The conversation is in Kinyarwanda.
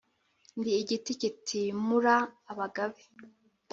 ndi igiti kitimura abagabe